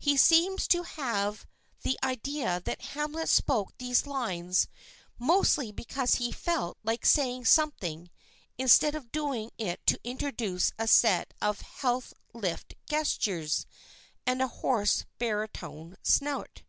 He seems to have the idea that Hamlet spoke these lines mostly because he felt like saying something instead of doing it to introduce a set of health lift gestures and a hoarse, baritone snort.